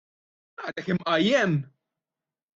Għadek imqajjem!